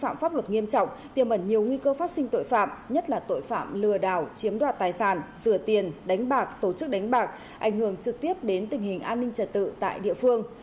tội phạm pháp luật nghiêm trọng tiềm ẩn nhiều nguy cơ phát sinh tội phạm nhất là tội phạm lừa đảo chiếm đoạt tài sản rửa tiền đánh bạc tổ chức đánh bạc ảnh hưởng trực tiếp đến tình hình an ninh trật tự tại địa phương